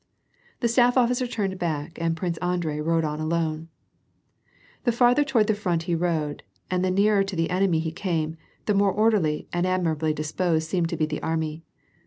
The staff officer turned back, and Prince Andrei rode on alone. Tlie farther toward the front he rode, and the nearer to the enemy he came, the more orderly and admirably disposo<i seemed to be the army.